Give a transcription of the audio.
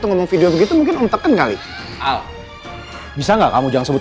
om tidak menggunakan hati nurani